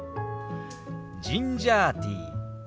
ジンジャーティー。